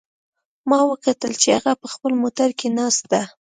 ما وکتل چې هغه په خپل موټر کې ناست ده